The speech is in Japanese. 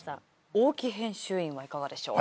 大木編集員はいかがでしょう？